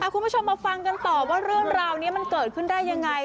คุณผู้ชมมาฟังกันต่อว่าเรื่องราวนี้มันเกิดขึ้นได้ยังไง